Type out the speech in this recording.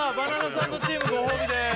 サンドチームご褒美です